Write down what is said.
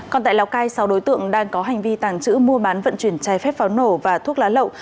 còn tại lào cai sáu đối tượng đang có hành vi tàng trữ mua bán vận chuyển trái phép pháo nổ và thuốc lá lậu